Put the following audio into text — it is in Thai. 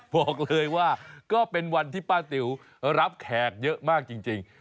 บอกเลยว่าก็เป็นวันที่ป้าติ๋วรับแขกเยอะมากจริง